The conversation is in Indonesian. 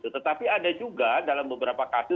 tetapi ada juga dalam beberapa kasus